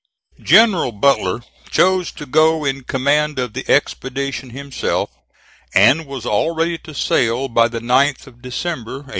General Butler chose to go in command of the expedition himself, and was all ready to sail by the 9th of December (1864).